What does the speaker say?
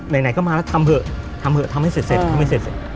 ไหนไหนก็มาแล้วทำเหอะทำเหอะทำให้เสร็จเสร็จทำให้เสร็จเสร็จ